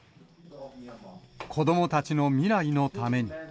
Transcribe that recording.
子どもたちの未来のために。